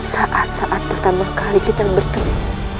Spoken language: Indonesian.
saat saat pertama kali kita bertemu